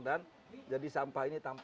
dan jadi sampah ini tampak